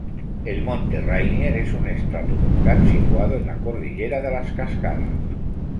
El monte Rainier es un estratovolcán situado en la Cordillera de las Cascadas.